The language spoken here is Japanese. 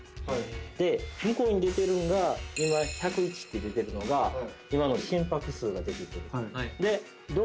で向こうに出てるんが今１０１って出てるのが今の心拍数が出てきてる。